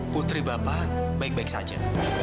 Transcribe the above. putri bapak baik baik saja